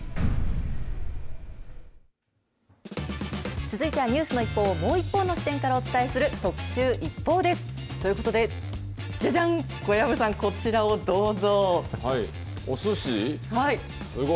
続いてはニュースの一報をもう一方の視点からお伝えする特集、ＩＰＰＯＵです。ということで、じゃじゃん、小籔さん、こちらをどうぞ。